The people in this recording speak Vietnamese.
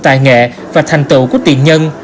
tài nghệ và thành tựu của tiền nhân